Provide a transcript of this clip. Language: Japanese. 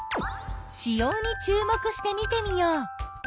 子葉に注目して見てみよう。